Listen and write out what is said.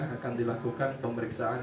akan dilakukan pemeriksaan